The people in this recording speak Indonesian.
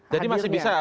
jadi masih bisa